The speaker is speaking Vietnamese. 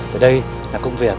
và đây là công việc